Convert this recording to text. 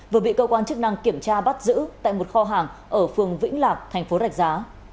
vừa bị cơ quan chức năng kiểm tra bắt giữ tại một kho hàng ở phường vĩnh lạc thành phố rạch giá